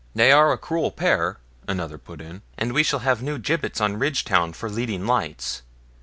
'They are a cruel pair,' another put in, 'and we shall have new gibbets on Ridgedown for leading lights.